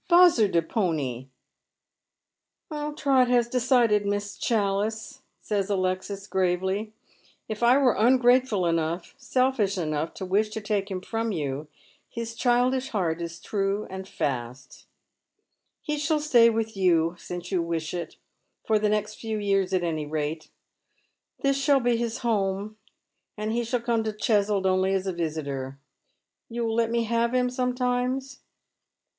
" Bozer de pony !"" Trot has decided. Miss Chalhce," says Alexis, gravely. *' If I were ungrateful enough, selfish enough, to wish to take him from you, his childish heart is true and fast. He shall stay with you, since you wish it, for the next few years at any rate. This shall be his home, and he shall come to Cheswold only as a visitor. You will let me have him sometimes